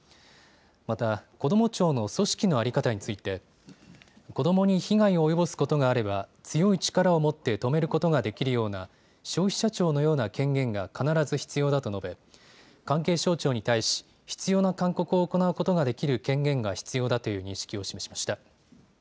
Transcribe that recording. また、こども庁の組織の在り方について子どもに被害を及ぼすことがあれば強い力をもって止めることができるような消費者庁のような権限が必ず必要だと述べ関係省庁に対し必要な勧告を行うことができる権限が必要だという認識を示しました。